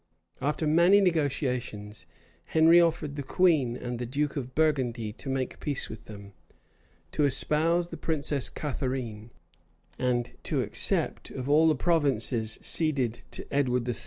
After many negotiations, Henry offered the queen and the duke of Burgundy to make peace with them, to espouse the Princess Catharine, and to accept of all the provinces ceded to Edward III.